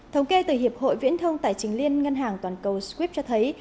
thống kê từ hiệp hội viễn thông tài chính liên ngân hàng toàn cầu skrip cho thấy